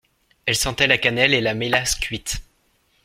Elle sentait la cannelle et la mélasse cuite.